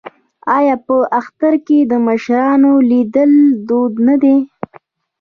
آیا په اختر کې د مشرانو لیدل دود نه دی؟